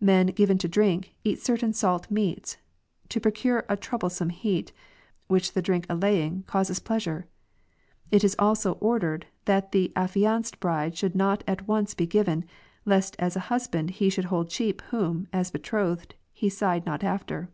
Men, given to drink, eat certain salt meats, to procure a troublesome heat, Avhich the drink allaying, causes pleasure. It is also ordered, that the affianced bride should not at once be given, lest as a husband he should hold cheap whom, as betrothed, he sighed not after.